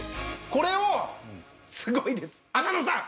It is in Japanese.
これをすごいです浅野さん。